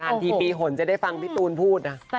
นานที่ปีห่วงจะได้ฟังพี่ตูนพูดน่ะ